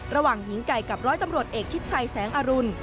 ระหว่างหญิงไก่กับร้อยตำรวจเอกชิดชัยแสงอรุณ